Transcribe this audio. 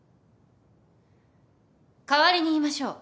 代わりに言いましょう。